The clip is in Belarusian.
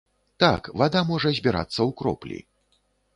Так, вада можа збірацца ў кроплі.